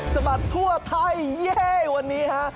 บัดทั่วไทยเย่วันนี้ฮะ